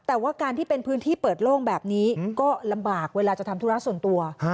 แต่ว่าการที่เป็นพื้นที่เปิดโล่งแบบนี้ก็ลำบากเวลาจะทำธุระส่วนตัว